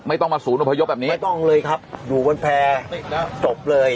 ไม่ต้องมาสู่นุพยพแบบนี้ไม่ต้องเลยครับอยู่บนแพทย์จบเลย